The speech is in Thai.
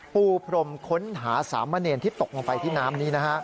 ปูพรมค้นหาสามเณรที่ตกลงไปที่น้ำนี้นะฮะ